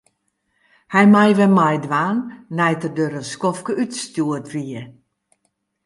Hy mei wer meidwaan nei't er der in skoftke útstjoerd wie.